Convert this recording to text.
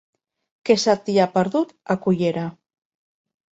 Què se t'hi ha perdut, a Cullera?